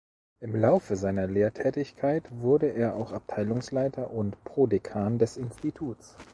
Im Laufe seiner Lehrtätigkeit wurde er auch Abteilungsleiter und Prodekan des Instituts.